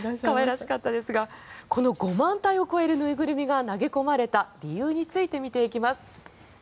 可愛らしかったですがこの５万体を超える縫いぐるみが投げ込まれた理由について見ていきます。